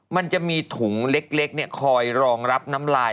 มันจะมีถุงเล็กคอยรองรับน้ำลาย